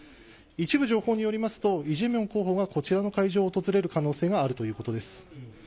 一部情報によりますとイ・ジェミョン候補がこちらの会場を訪れる可能性があるということです。